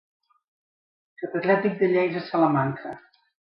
Catedràtic de lleis a Salamanca.